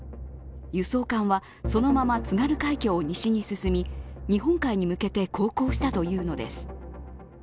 輸送艦は、そのまま津軽海峡を西に進み日本海に向けて航行したというのです。